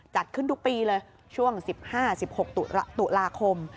จัดขึ้นทุกปีเลยช่วง๑๕๑๖ตุลาคม